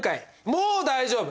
もう大丈夫！